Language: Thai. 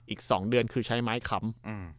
อีก๒เดือนคือใช้ไม้ขำ